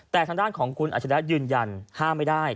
แต่ทางด้านของคุณอาชิริยะยืนยันห้ามไม่ได้